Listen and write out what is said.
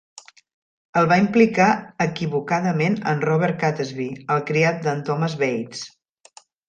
El va implicar equivocadament en Robert Catesby, el criat d'en Thomas Bates.